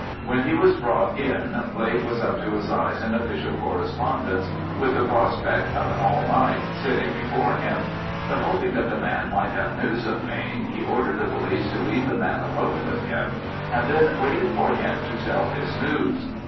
When he was brought in Blake was up to his eyes in official correspondence, with the prospect of an all night sitting before him; but hoping that the man might have news of Mayne, he ordered the police to leave the man alone with him, and then waited for him to tell his news.